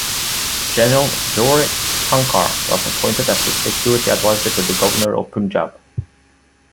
General Gauri Shankar was appointed as the Security Advisor to the Governor of Punjab.